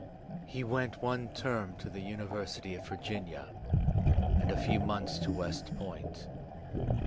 He went one term to the University of Virginia, and a few months to West Point.